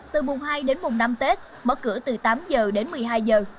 từ mùng hai đến mùng năm tết mở cửa từ tám giờ đến một mươi hai giờ